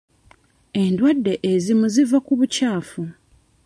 Endwadde ezimu ziva ku bukyafu.